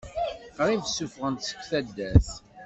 Qrib ssufɣen-t seg taddart.